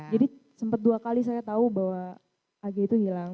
jadi sempat dua kali saya tahu bahwa agge itu hilang